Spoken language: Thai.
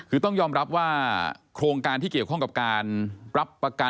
คือต้องยอมรับว่าโครงการที่เกี่ยวข้องกับการรับประกัน